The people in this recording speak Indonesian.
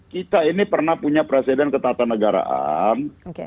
kita ini pernah punya presiden ketatanegaraan